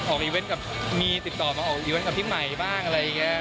ออกอีเวนต์กับมีติดต่อมาออกอีเวนต์กับพี่ใหม่บ้างอะไรอย่างนี้